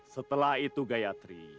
setelah itu gayatri